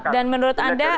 dan menurut anda